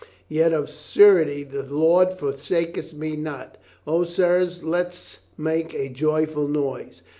Yet of a surety the Lord forsaketh me not. O, sirs, let's make a joyful noise!